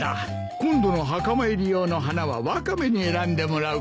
今度の墓参り用の花はワカメに選んでもらうか。